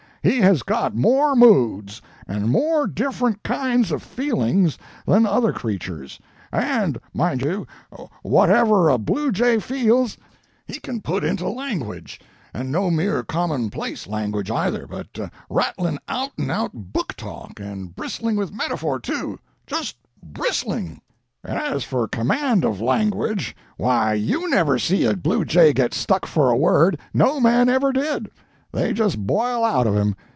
He has got more moods, and more different kinds of feelings than other creatures; and, mind you, whatever a bluejay feels, he can put into language. And no mere commonplace language, either, but rattling, out and out book talk and bristling with metaphor, too just bristling! And as for command of language why YOU never see a bluejay get stuck for a word. No man ever did. They just boil out of him!